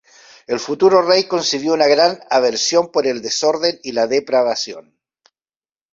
El futuro rey concibió una gran aversión por el desorden y la depravación.